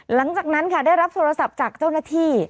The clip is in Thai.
หลังจากนั้นค่ะได้รับโทรศัพท์จากเจ้าหน้าที่